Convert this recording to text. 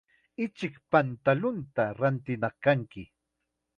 Ichik pantalunta rintinaq kanki.